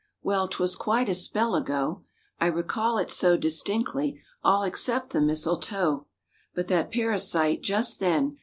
Well, 'twas quite a spell ago; I recall it so distinctly— All except the mistletoe; But that parasite, just then.